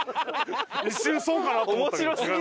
一瞬そうかなと思ったけど。